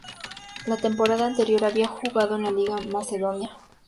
La temporada anterior había jugado en la liga macedonia.